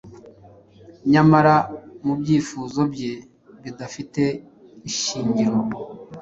nyamara mubyifuzo bye bidafite ishingiro